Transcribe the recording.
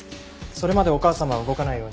それまでお母様は動かないように。